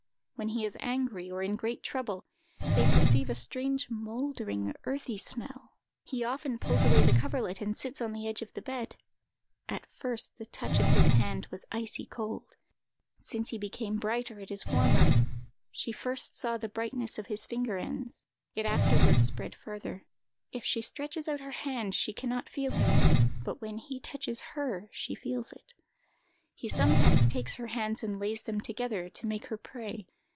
When he is angry, or in great trouble, they perceive a strange mouldering, earthy smell. He often pulls away the coverlet, and sits on the edge of the bed. At first the touch of his hand was icy cold, since he became brighter it is warmer; she first saw the brightness of his finger ends; it afterward spread further. If she stretches out her hand she can not feel him, but when he touches her she feels it. He sometimes takes her hands and lays them together, to make her pray.